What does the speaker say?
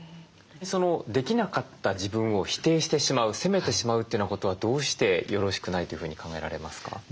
できなかった自分を否定してしまう責めてしまうというようなことはどうしてよろしくないというふうに考えられますか？